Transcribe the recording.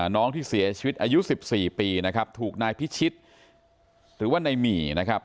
น้องที่เสียชีวิตอายุ๑๔ปีนะครับถูกนายพิชิตหรือว่าในหมี่นะครับ